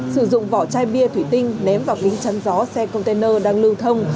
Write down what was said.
sử dụng vỏ chai bia thủy tinh ném vào kính chắn gió xe container đang lưu thông